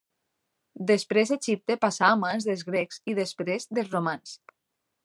Després Egipte passà a mans dels grecs i després dels romans.